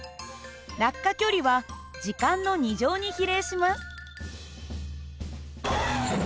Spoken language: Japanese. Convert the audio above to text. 落下距離は時間の２乗に比例します。